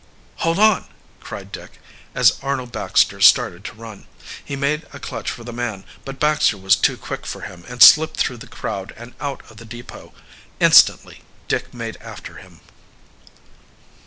"Hold on!" cried Dick, as Arnold Baxter started to run. He made a clutch for the man, but Baxter was too quick for him and slipped through the crowd and out of the depot. Instantly Dick made after him.